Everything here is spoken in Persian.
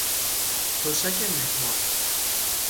تشک مهمان